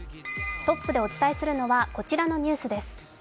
トップでお伝えするのはこちらのニュースです。